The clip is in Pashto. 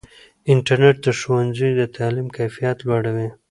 انټرنیټ د ښوونځیو د تعلیم کیفیت لوړوي.